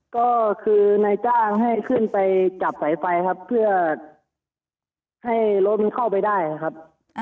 ก็คือนายจ้างให้ขึ้นไปจับสายไฟครับเพื่อให้รถมันเข้าไปได้นะครับ